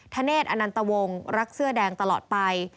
ธเนธอนันตวงรักเสื้อแดงตลอดไป